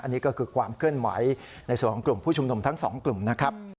อันนี้ก็คือความเคลื่อนไหวในส่วนของกลุ่มผู้ชุมนุมทั้งสองกลุ่มนะครับ